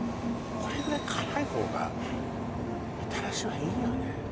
これぐらい辛い方がみたらしはいいよね